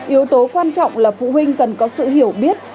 yếu tố quan trọng là phụ huynh cần có sự hiểu biết